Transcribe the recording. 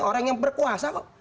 orang yang berkuasa kok